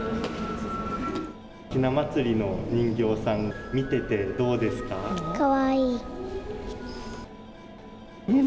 ひな祭りの人形さん見ててどうですか。